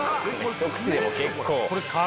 ひと口でも結構。